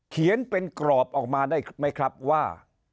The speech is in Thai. เขียนเป็นกรอบออกมาได้ไหมครับว่า